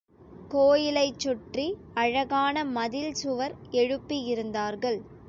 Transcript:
கோயிலைச் சுற்றி அழகான மதில் சுவர் எழுப்பி இருந்தார்கள்.